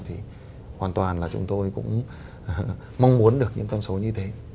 thì hoàn toàn là chúng tôi cũng mong muốn được những con số như thế